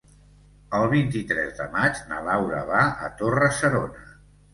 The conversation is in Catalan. El vint-i-tres de maig na Laura va a Torre-serona.